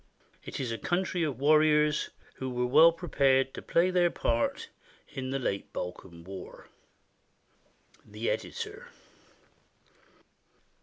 It is a country of war riors, who were well prepared to play their part in the late Balkan War. The Editor.